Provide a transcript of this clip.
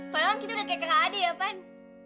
padahal kita udah kayak kakak adik ya pan